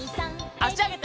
あしあげて。